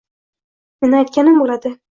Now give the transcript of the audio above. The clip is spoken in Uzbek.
Meni aytganim bo'ladi!